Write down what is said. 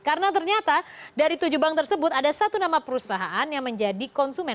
karena ternyata dari tujuh bank tersebut ada satu nama perusahaan yang menjadi konsumen